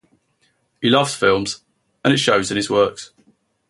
He loves films and it shows in his works"".